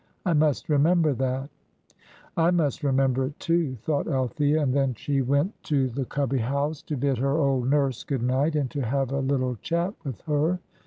I must remember that." "I must remember it, too," thought Althea; and then she went to the Cubby house to bid her old nurse good night, and to have a little chat with her.